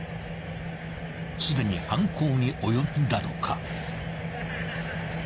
［すでに犯行に及んだのか？］